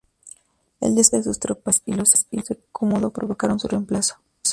El descontento de sus tropas y los celos de Cómodo provocaron su reemplazo.